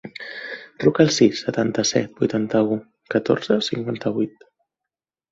Truca al sis, setanta-set, vuitanta-u, catorze, cinquanta-vuit.